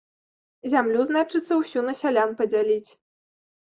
Зямлю, значыцца, усю на сялян падзяліць.